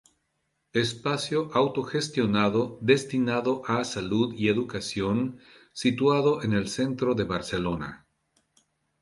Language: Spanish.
Espacio autogestionado destinado a salud y educación situado en el centro de Barcelona.